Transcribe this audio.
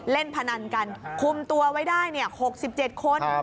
พนันกันคุมตัวไว้ได้๖๗คน